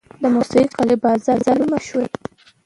موسی قلعه بازار ولې مشهور دی؟